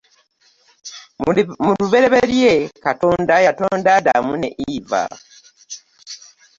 Muluberyeberye Katonda yatonda Adam ne Eva.